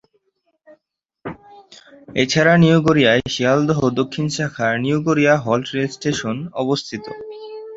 এছাড়া নিউ গড়িয়ায় শিয়ালদহ দক্ষিণ শাখার New Garia halt rail station অবস্থিত।